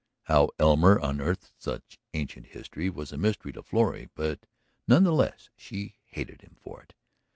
How Elmer unearthed such ancient history was a mystery to Florrie; but none the less she "hated" him for it.